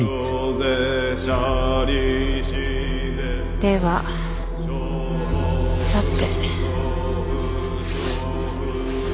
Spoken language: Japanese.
ではさて。